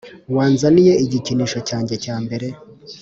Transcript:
wanzaniye igikinisho cyanjye cya mbere,